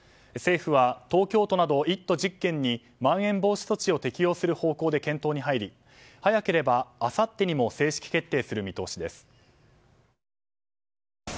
政府は東京都など１都１０県にまん延防止等重点措置を適用する方向で検討に入り早ければあさってにも正式決定する見通しです。